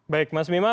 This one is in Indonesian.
baik mas mima